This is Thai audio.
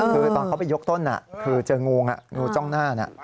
คือตอนเขาไปยกต้นคือเจองูงูจ้องหน้า